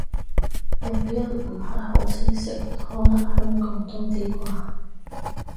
錄音唔係好清晰，可能香港多啲啩